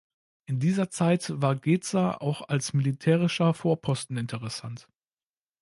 In dieser Zeit war Gedser auch als Militärischer Vorposten interessant.